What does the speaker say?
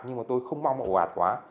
nhưng mà tôi không mong ổ ạt quá